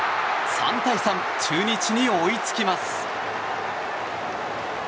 ３対３、中日に追いつきます。